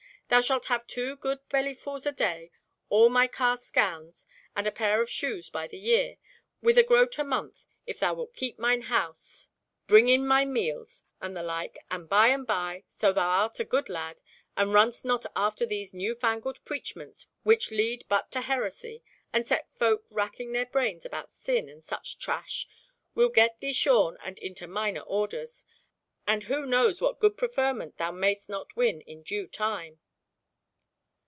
Thou shalt have two good bellyfuls a day, all my cast gowns, and a pair of shoes by the year, with a groat a month if thou wilt keep mine house, bring in my meals, and the like, and by and by, so thou art a good lad, and runst not after these new fangled preachments which lead but to heresy, and set folk racking their brains about sin and such trash, we'll get thee shorn and into minor orders, and who knows what good preferment thou mayst not win in due time!"